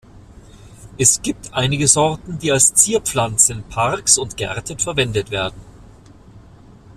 Es gibt einige Sorten, die als Zierpflanzen in Parks und Gärten verwendet werden.